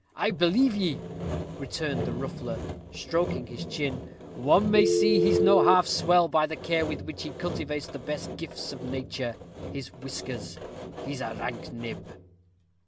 "I believe ye," returned the ruffler, stroking his chin "one may see that he's no half swell by the care with which he cultivates the best gifts of nature, his whiskers. He's a rank nib."